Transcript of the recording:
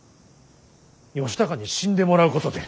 義高に死んでもらうことで。